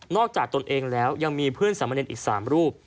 นอกจากตนเองแล้วยังมีเพื่อนสามเงินอีก๓รูป